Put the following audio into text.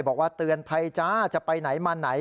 บอกว่าเตือนภัยจ้าจะไปไหนมาไหน